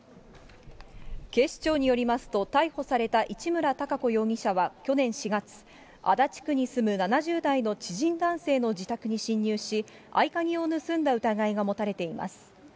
警視庁によりますと、逮捕された市村貴子容疑者は、去年４月、足立区に住む７０代の知人男性の自宅に侵入し、合鍵を盗んだ疑いが持たれています。